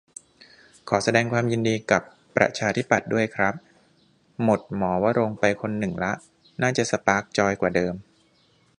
ขอแสดงความยินดีกับประชาธิปัตย์ด้วยครับ หมดหมอวรงค์ไปคนหนึ่งละ น่าจะสปาร์คจอยกว่าเดิม